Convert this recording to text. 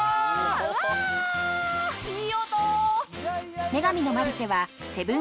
うわいい音！